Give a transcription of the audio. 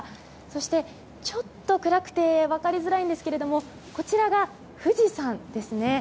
そして、ちょっと暗くて分かりづらいですがこちらが富士山ですね。